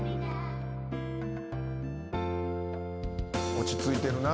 落ち着いてるな。